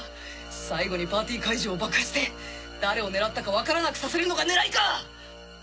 最後にパーティー会場を爆破して誰を狙ったか分からなくさせるのが狙いか！